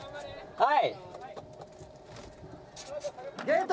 ・はい！